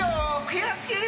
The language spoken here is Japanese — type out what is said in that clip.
悔しい！